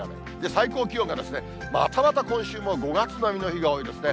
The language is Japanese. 最高気温がまたまた今週も５月並みの日が多いですね。